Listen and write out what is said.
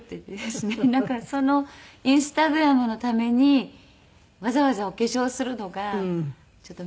なんかインスタグラムのためにわざわざお化粧するのがちょっと面倒くさい。